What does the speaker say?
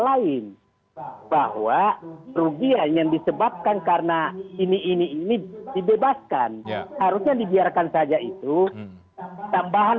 lain bahwa kerugian yang disebabkan karena ini ini dibebaskan harusnya dibiarkan saja itu tambahan